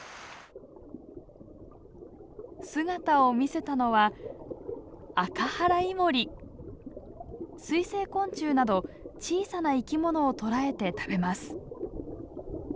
姿を見せたのは水生昆虫など小さな生き物を捕らえて食べます。